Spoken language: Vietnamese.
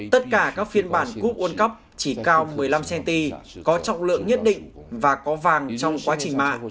tất cả các phiên bản quốc quân cấp chỉ cao một mươi năm cm có trọng lượng nhất định và có vàng trong quá trình mạ